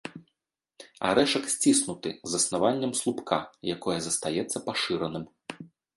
Арэшак сціснуты, з аснаваннем слупка, якое застаецца пашыраным.